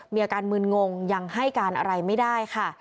มีอาการมืนงงยังให้การอะไรไม่ได้ค่ะ